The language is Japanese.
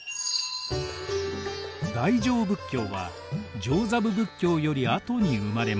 大乗仏教は上座部仏教より後に生まれました。